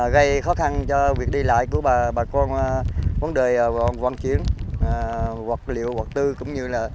gây khó khăn cho việc đi lại của bà con vấn đề văn chuyến